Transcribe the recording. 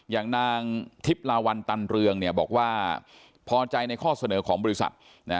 อย่างนางทิพลาวันตันเรืองบอกว่าพอใจในข้อเสนอของบริษัท